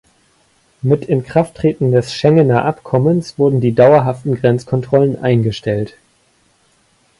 Mit Inkrafttreten des Schengener Abkommens wurden die dauerhaften Grenzkontrollen eingestellt.